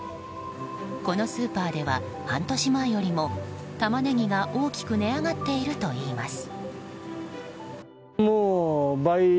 このスーパーでは半年前よりもタマネギが大きく値上がっているといいます。